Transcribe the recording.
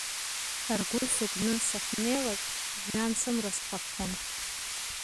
Ргәы сыгәны, сахьнеилакь, жәҩан сымра схаԥхон.